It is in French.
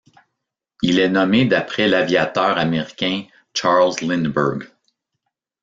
Il est nommé d'après l'aviateur américain Charles Lindbergh.